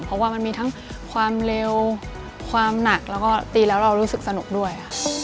เพราะว่ามันมีทั้งความเร็วความหนักแล้วก็ตีแล้วเรารู้สึกสนุกด้วย